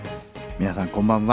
皆さんこんばんは。